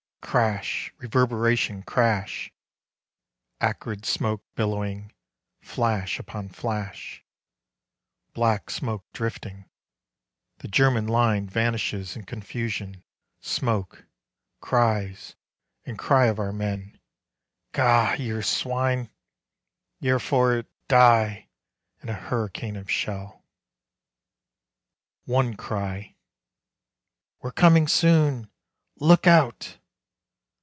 Crash! Reverberation! Crash! Acrid smoke billowing. Flash upon flash. Black smoke drifting. The German line Vanishes in confusion, smoke. Cries, and cry Of our men, "Gah, yer swine! Ye're for it" die In a hurricane of shell. One cry: "_We're comin' soon! look out!